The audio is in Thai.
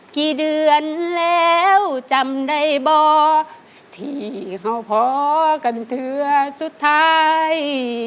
กี่เดือนแล้วจำได้บ่ที่เขาพอกันเดือนสุดท้าย